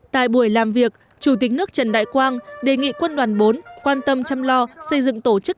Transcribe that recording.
tại buổi làm việc chủ tịch nước trần đại quang đề nghị quân đoàn bốn quan tâm chăm lo xây dựng tổ chức